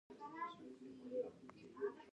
احمد وویل خوښ شوم زړور یې.